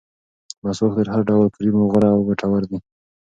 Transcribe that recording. مسواک تر هر ډول کریمو غوره او ګټور دی.